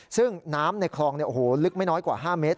ซึ่งน้ำในคลองลึกไม่น้อยกว่า๕เมตร